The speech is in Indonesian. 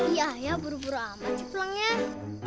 iya ayah buru buru lama sih pulangnya